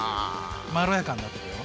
まろやかになってくよ。